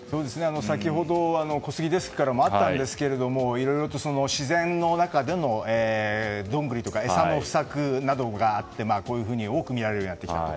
先ほど、小杉デスクからもあったんですけどもいろいろと自然の中でのドングリとか餌の不作などがあってこういうふうに多く見られるようになってきたと。